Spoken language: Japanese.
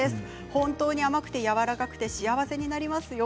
本当に甘くてやわらかくて幸せになりますよ。